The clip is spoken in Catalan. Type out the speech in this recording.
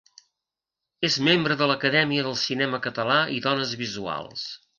És membre de l'Acadèmia del Cinema Català i Dones Visuals.